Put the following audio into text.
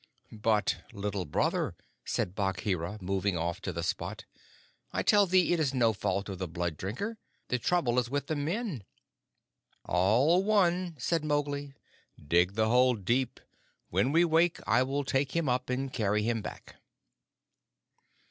"But, Little Brother," said Bagheera, moving off to the spot, "I tell thee it is no fault of the blood drinker. The trouble is with men." "All one," said Mowgli. "Dig the hole deep. When we wake I will take him up and carry him back."